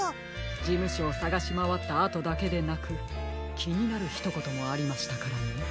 じむしょをさがしまわったあとだけでなくきになるひとこともありましたからね。